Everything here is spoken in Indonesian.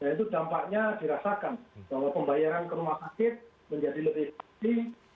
dan itu dampaknya dirasakan bahwa pembayaran ke rumah sakit menjadi lebih tinggi